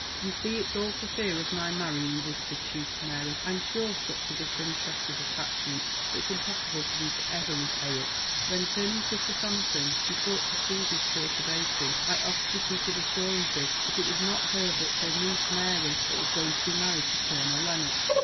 "You see it's all for fear of my marrying," whispered she to Mary. "I'm sure such a disinterested attachment, it's impossible for me ever to repay it!" Then turning to Sir Sampson, she sought to soothe his perturbation by oft repeated assurances that it was not her but her niece Mary that was going to be married to Colonel Lennox.